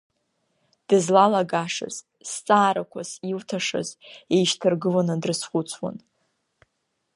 Дызлалагашаз, зҵаарақәас илҭашаз еишьҭаргыланы дрызхәыцуан.